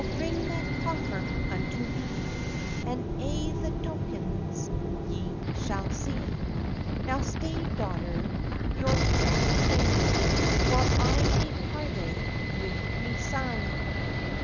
"O bring that coffer unto me, And a' the tokens ye sall see." "Now stay, daughter, your bour within, While I gae parley wi' my son."